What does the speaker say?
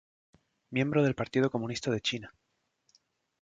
Miembro del Partido Comunista de China.